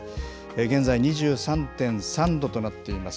現在２３．３度となっています。